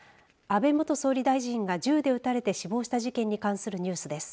安倍元総理大臣が銃で撃たれて死亡した事件に関するニュースです。